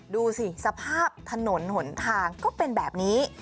ดูสิสภาพถนนหนทางก็เป็นแบบนี้